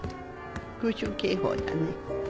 空襲警報だね。